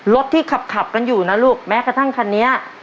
รถที่ขับกันอยู่นะลูกแม้กระทั่งคันนี้